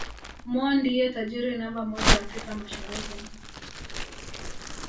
Mo ndiye tajiri namba moja Afrika Mashariki